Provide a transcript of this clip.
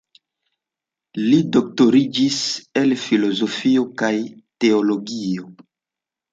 Li doktoriĝis el filozofio kaj teologio.